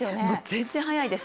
全然速いです。